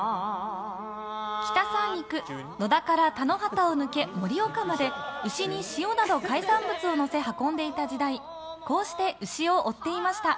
北三陸、野田から田野畑を抜け盛岡まで牛に塩など海産物を運んでいた時代こうして牛を追っていました。